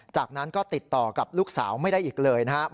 จากนั้นก็ติดต่อกับลูกสาวไม่ได้อีกเลยนะครับ